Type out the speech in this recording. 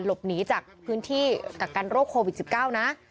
หลบหนีจากพื้นที่กักกันโรคโควิด๑๙นะ